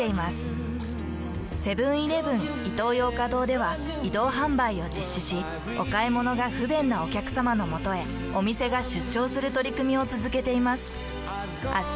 セブンーイレブンイトーヨーカドーでは移動販売を実施しお買い物が不便なお客様のもとへお店が出張する取り組みをつづけています。